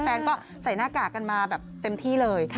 แฟนก็ใส่หน้ากากกันมาแบบเต็มที่เลย